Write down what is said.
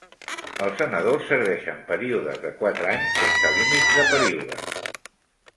Els senadors serveixen períodes de quatre anys sense límits de període.